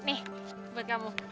nih buat kamu